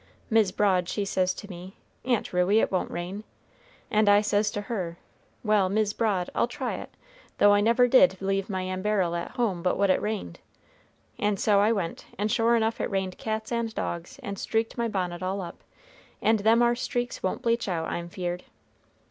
Mis' Broad she says to me, 'Aunt Ruey, it won't rain.' And says I to her, 'Well, Mis' Broad, I'll try it; though I never did leave my amberil at home but what it rained.' And so I went, and sure enough it rained cats and dogs, and streaked my bonnet all up; and them ar streaks won't bleach out, I'm feared."